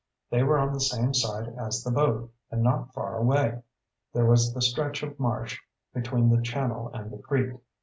They were on the same side as the boat, and not far away. There was the stretch of marsh between the channel and the creek.